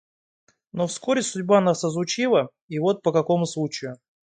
Но вскоре судьба нас разлучила, и вот по какому случаю.